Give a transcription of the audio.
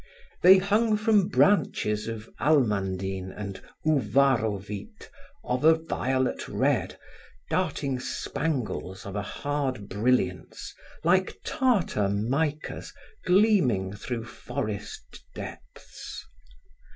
They hung from branches of almandine and ouwarovite of a violet red, darting spangles of a hard brilliance like tartar micas gleaming through forest depths.